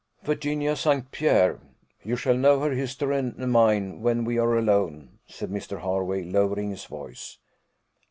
"Virginia St. Pierre. You shall know her history and mine when we are alone," said Mr. Hervey, lowering his voice.